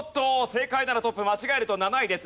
正解ならトップ間違えると７位です。